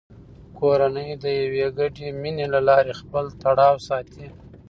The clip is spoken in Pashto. کورنۍ د یوې ګډې مینې له لارې خپل تړاو ساتي